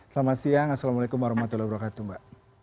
selamat siang assalamualaikum warahmatullahi wabarakatuh mbak